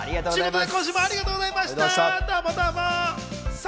今週もありがとうございました。